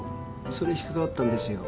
それ引っ掛かったんですよ。